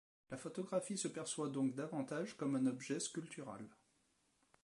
La photographie se perçoit donc davantage comme un objet sculptural.